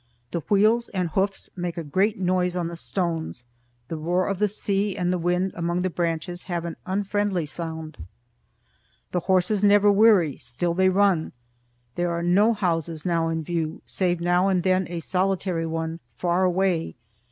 The wheels and hoofs make a great noise on the stones, the roar of the sea and the wind among the branches have an unfriendly sound. The horses never weary. Still they run. There are no houses now in view, save now and then a solitary one, far away.